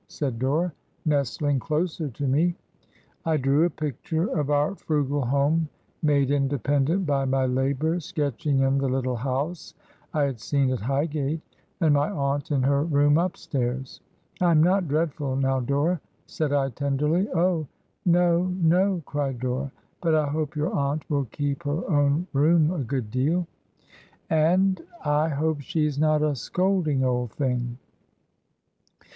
said Dora, nestling closer to me. I drew a picture of our frugal home, made independent by my labor — ^sketching in the little house I had seen at Highgate, and my aunt in her room up stairs. ' I am not dreadful now, Dora?' said I, tenderly. ' Oh, no, no !' cried Dora. ' But I hope your atuit will keep her own room a good deal ! And I 150 Digitized by VjOOQIC DICKENS'S LATER HEROINES hope she's not a scolding old thing!'